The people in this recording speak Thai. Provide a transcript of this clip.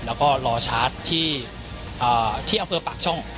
แล้วก็รอชาร์จที่อำเภอปากช่อง